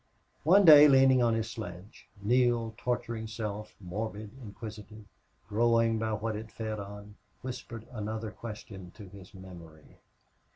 One day, leaning on his sledge, Neale's torturing self, morbid, inquisitive, growing by what it fed on, whispered another question to his memory.